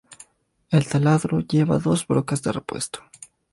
El taladro lleva dos brocas de repuesto.